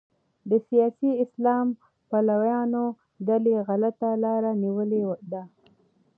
د سیاسي اسلام پلویانو ډلې غلطه لاره نیولې ده.